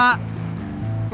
lo ambekan lo